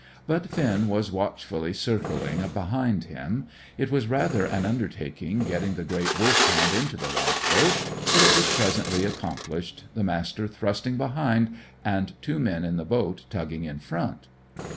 But Finn was watchfully circling behind him. It was rather an undertaking getting the great Wolfhound into the lifeboat; but it was presently accomplished, the Master thrusting behind, and two men in the boat tugging in front.